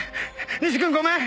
西君ごめん。